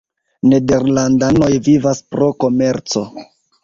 Nederlandanoj vivas pro komerco.